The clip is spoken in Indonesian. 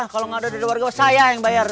kalau gak ada di warga saya yang bayar